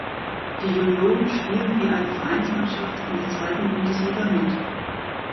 Die Junioren spielen wie eine Vereinsmannschaft in der zweiten Bundesliga mit.